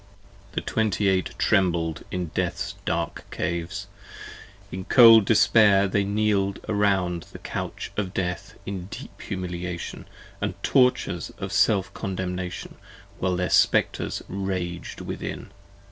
The Twenty eight trembled in Death's dark caves, in cold despair They kneel'd around the Couch of Death in deep humiliation 25 And tortures of self condemnation while their Spectres rag'd within.